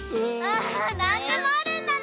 なんでもあるんだね！